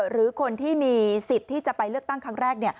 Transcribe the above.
หรือคนที่มีสิทธิ์ที่จะไปเลือกตั้งครั้งแรก